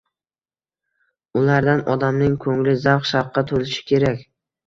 ulardan odamning ko‘ngli zavq-shavqqa to‘lishi kerak edi